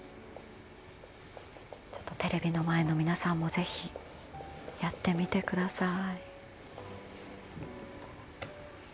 テレビの前の皆さんもぜひやってみてください。